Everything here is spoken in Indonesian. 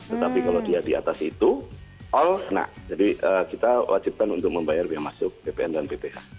tetapi kalau dia di atas itu all kena jadi kita wajibkan untuk membayar biaya masuk bpn dan bph